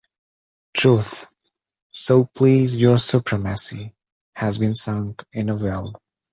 Truth, so please your supremacy, has been sunk in a well.